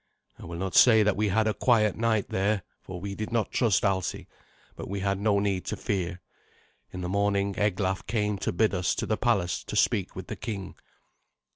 I will not say that we had a quiet night there, for we did not trust Alsi; but we had no need to fear. In the morning Eglaf came to bid us to the palace to speak with the king.